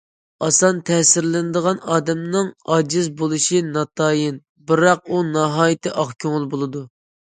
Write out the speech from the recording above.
ئاسان تەسىرلىنىدىغان ئادەمنىڭ ئاجىز بولۇشى ناتايىن، بىراق ئۇ ناھايىتى ئاق كۆڭۈل بولىدۇ.